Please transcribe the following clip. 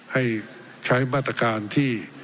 ให้ใช้บรรตการที่